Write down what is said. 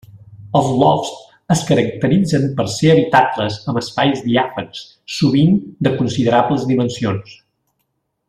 Els lofts es caracteritzen ser habitacles amb espais diàfans, sovint de considerables dimensions.